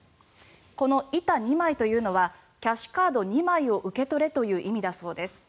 この板２枚というのはキャッシュカード２枚を受け取れという意味だそうです。